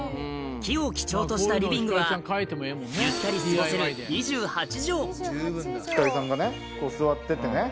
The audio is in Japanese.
木を基調としたリビングはゆったり過ごせる星さんがこう座っててね